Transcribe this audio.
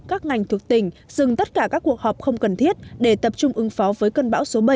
các ngành thuộc tỉnh dừng tất cả các cuộc họp không cần thiết để tập trung ứng phó với cơn bão số bảy